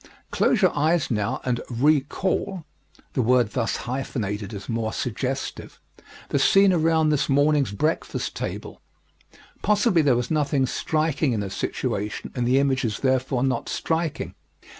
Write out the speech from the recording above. Close your eyes now and re call the word thus hyphenated is more suggestive the scene around this morning's breakfast table. Possibly there was nothing striking in the situation and the image is therefore not striking.